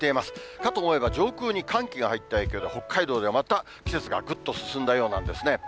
かと思えば、上空に寒気が入った影響で、北海道ではまた季節がぐっと進んだようなんですね。